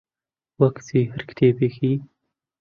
وەک جێی هەر کتێبێکی